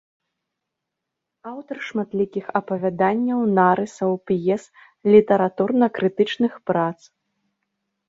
Аўтар шматлікіх апавяданняў, нарысаў, п'ес, літаратурна-крытычных прац.